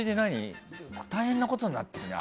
大変なことになってるんだ。